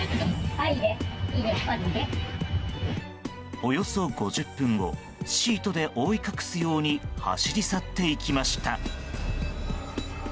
およそ５０分後シートで覆い隠すように走り去っていきました。